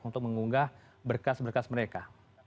untuk mengunggah berkas berkas mereka